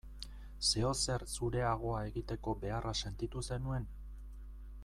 Zeozer zureagoa egiteko beharra sentitu zenuen?